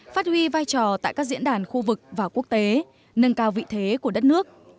phát huy vai trò tại các diễn đàn khu vực và quốc tế nâng cao vị thế của đất nước